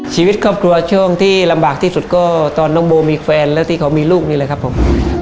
ชีวิตครอบครัวช่วงที่ลำบากที่สุดก็ตอนน้องโบมีแฟนแล้วที่เขามีลูกนี่แหละครับผม